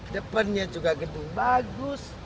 depannya juga gedung bagus